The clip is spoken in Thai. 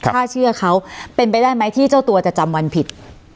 ถ้าเชื่อเขาเป็นไปได้ไหมที่เจ้าตัวจะจำวันผิด